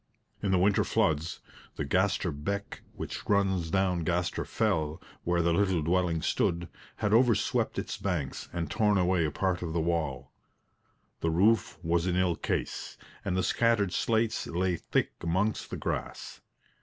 In the winter floods, the Gaster Beck, which runs down Gaster Fell, where the little dwelling stood, had overswept its banks and torn away a part of the wall. The roof was in ill case, and the scattered slates lay thick amongst the grass.